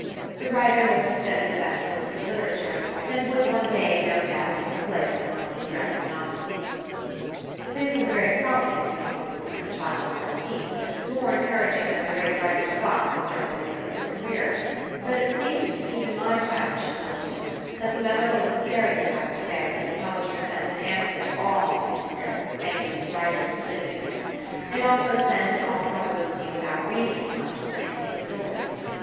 The writer was to study the best works of literature, and would one day, no doubt, take a place among Australian novelists. This was a very promising opinion of the work of a child of thirteen, more encouraging than the great writers got at the start of their literary career; but it seemed to even my childish intelligence that the memo was a stereotyped affair that the publisher sent in answer to all the MSS. of fameless writers submitted to him, and also sent in all probability without reading as much as the name of the story.